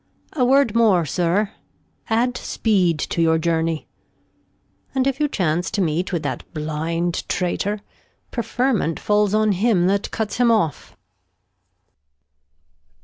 A Word more. Sir, add Speed to your Journey, And if you chance to meet with that blind Traitor, Preferment falls on him that cuts him off.